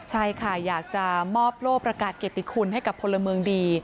ใช่ค่ะอยากจะมอบโลกประกาศเกติคุณให้กับพลเมืองดี